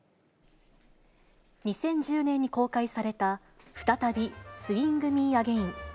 ２０１０年に公開された、ふたたびスイング・ミー・アゲイン。